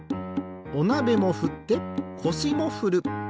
おなべもふってこしもふる。